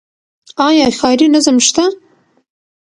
آیا ښاري نظم شته؟